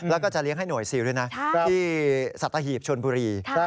แล้วก็จะเลี้ยงให้หน่วยซิลด้วยนะที่สัตหีบชนบุรี